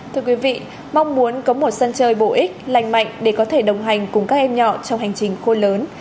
thưa quý vị mong muốn có một sân chơi bổ ích lành mạnh để có thể đồng hành cùng các em nhỏ trong hành trình khô lớn